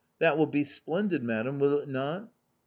That will be splendid, Madam, will it not?"